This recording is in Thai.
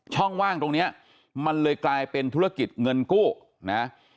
ว่างตรงนี้มันเลยกลายเป็นธุรกิจเงินกู้นะ